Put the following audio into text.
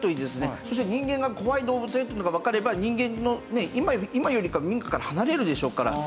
そして人間が怖い動物だよというのがわかれば人間の今よりかは民家から離れるでしょうから。